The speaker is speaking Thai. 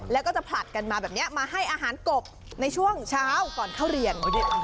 แล้วก็จะผลัดกันมาแบบนี้มาให้อาหารกบในช่วงเช้าก่อนเข้าเรียน